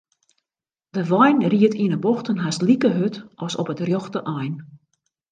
De wein ried yn 'e bochten hast like hurd as op it rjochte ein.